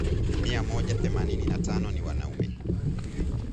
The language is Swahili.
mia moja themanini na tano ni wanaume